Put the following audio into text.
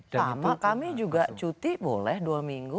sama kami juga cuti boleh dua minggu